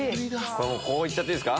こう行っちゃっていいっすか？